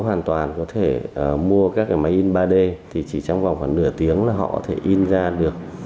hoàn toàn có thể mua các cái máy in ba d thì chỉ trong vòng khoảng nửa tiếng là họ có thể in ra được